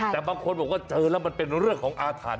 แต่บางคนบอกว่าเจอแล้วมันเป็นเรื่องของอาถรรพ